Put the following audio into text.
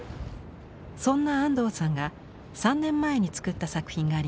そんな安藤さんが３年前につくった作品があります。